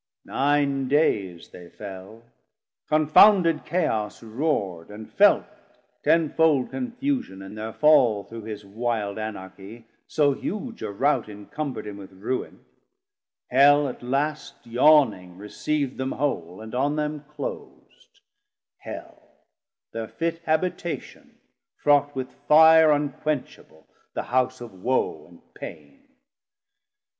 870 Nine dayes they fell; confounded Chaos roard, And felt tenfold confusion in thir fall Through his wilde Anarchie, so huge a rout Incumberd him with ruin: Hell at last Yawning receavd them whole, and on them clos'd, Hell thir fit habitation fraught with fire Unquenchable, the house of woe and paine.